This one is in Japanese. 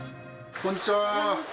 こんにちは。